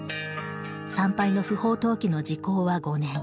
産廃の不法投棄の時効は５年。